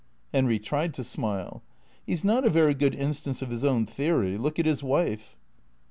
Henry tried to smile. " He 's not a very good instance of his own theory. Look at his wife."